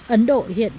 ấn độ hiện